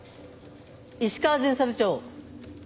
石川巡査部長。